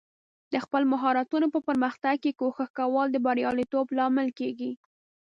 د خپل مهارتونو په پرمختګ کې کوښښ کول د بریالیتوب لامل کیږي.